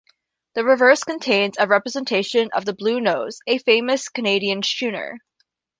The reverse contains a representation of the "Bluenose", a famous Canadian schooner.